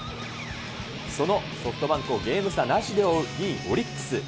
そのソフトバンクをゲーム差なしで追う２位オリックス。